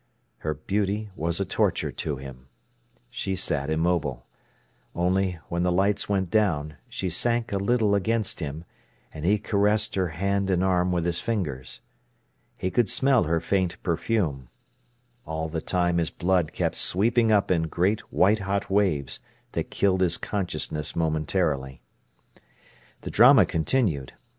Her beauty was a torture to him. She sat immobile. Only, when the lights went down, she sank a little against him, and he caressed her hand and arm with his fingers. He could smell her faint perfume. All the time his blood kept sweeping up in great white hot waves that killed his consciousness momentarily. The drama continued.